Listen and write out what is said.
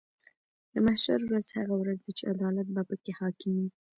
د محشر ورځ هغه ورځ ده چې عدالت به پکې حاکم وي .